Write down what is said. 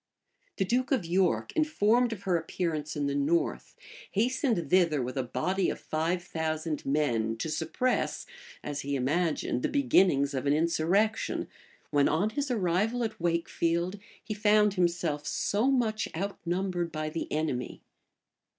The duke of York, informed of her appearance in the north, hastened thither with a body of five thousand men, to suppress, as he imagined, the beginnings of an insurrection; when, on his arrival at Wakefield, he found himself so much outnumbered by the enemy.